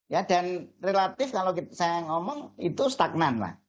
ya dan relatif kalau saya ngomong itu stagnan lah